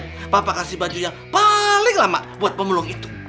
bapak kasih baju yang paling lama buat pemulung itu